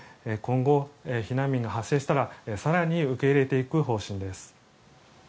今後、避難民が発生したら更に受け入れていく方針です。